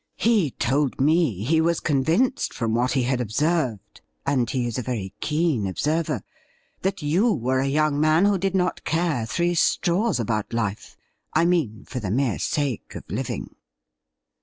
He told me he was con vinced, from what he had observed — and he is a very keen observer — that you were a young man who did not care three straws about life — I mean, for the mere sake of living.'